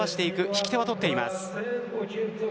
引き手を取っています。